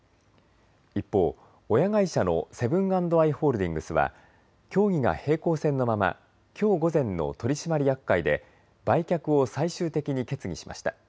一方、親会社のセブン＆アイ・ホールディングスは協議が平行線のままきょう午前の取締役会で売却を最終的に決議しました。